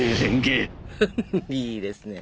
いいですね。